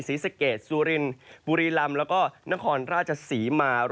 ศรีสะเกดสุรินบุรีลำแล้วก็นครราชศรีมา